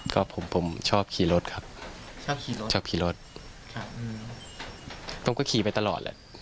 ก็ผมผมชอบขี่รถครับชอบขี่รถชอบขี่รถครับผมก็ขี่ไปตลอดแหละ